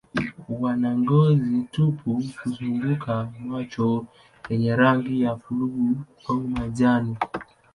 Wana ngozi tupu kuzunguka macho yenye rangi ya buluu au majani.